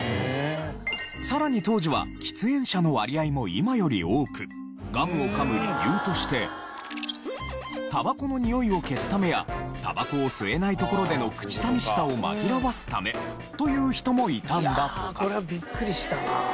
さらに当時は喫煙者の割合も今より多くガムをかむ理由としてタバコのにおいを消すためやタバコを吸えない所での口寂しさを紛らわすためという人もいたんだとか。